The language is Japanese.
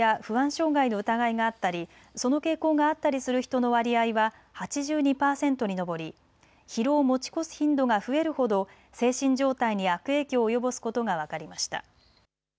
障害の疑いがあったり、その傾向があったりする人の割合は８２％に上り疲労を持ち越す頻度が増えるほど精神状態に悪影響を及ぼすことが分かりました。